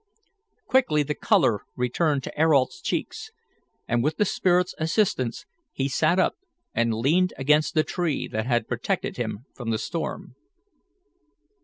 Quickly the colour returned to Ayrault's cheeks, and with the spirit's assistance he sat up and leaned against the tree that had protected him from the storm.